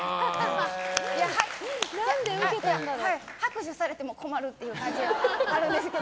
拍手されても困るっていう感じがあるんですけど。